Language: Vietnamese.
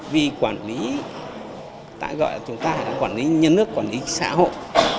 vì quản lý tại gọi là chúng ta phải là quản lý nhân nước quản lý xã hội